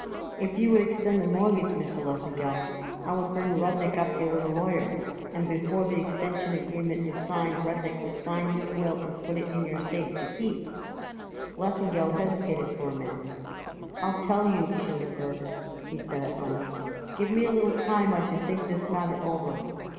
"If you would extend the mortgage, Mr. Lesengeld, I would bring Rudnik up here with a lawyer, and before the extension agreement is signed Rudnik would sign his will and put it in your safe to keep." Lesengeld hesitated for a minute. "I'll tell you, Schindelberger," he said at length; "give me a little time I should think this matter over.